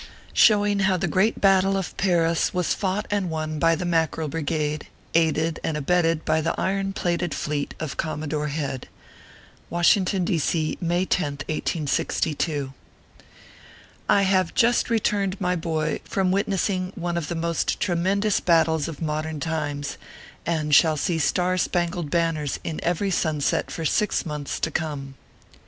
SHOWING HOW THE GREAT BATTLE OF PARIS WAS FOUGHT AND WON BY THE MACKEREL BRIGADE, AIDED AND ABETTED BY THE IRON PLATED FLEET OF COMMODORE HEAD. WASHINGION, D. C., May 10th, 1862. I HAVE just returned, my boy, from witnessing one of the most tremendous battles of modern times, and shall see star spangled banners in every sunset for six months to come.